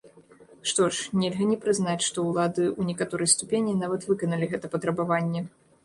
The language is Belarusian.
Што ж, нельга не прызнаць, што ўлады ў некаторай ступені нават выканалі гэта патрабаванне.